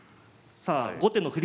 さあ後手の振り